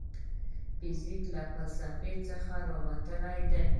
فزیک له فلسفې څخه راوتلی دی.